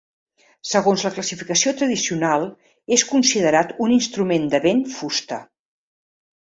Segons la classificació tradicional és considerat un instrument de vent fusta.